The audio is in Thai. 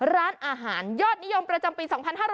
ร้านอาหารยอดนิยมประจำปี๒๕๕๙